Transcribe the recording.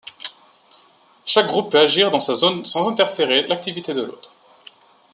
Chaque groupe peut agir dans sa zone sans interférer l’activité de l’autre.